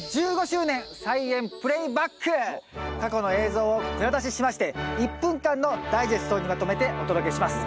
題して過去の映像を蔵出ししまして１分間のダイジェストにまとめてお届けします。